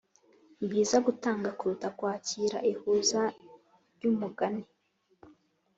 nibyiza gutanga kuruta kwakira ihuza ryumugani